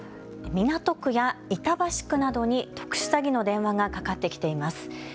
港区や板橋区などに特殊詐欺の電話がかかってきています。